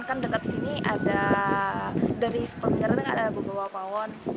kan dekat sini ada dari stone garden kan ada gua gua pawon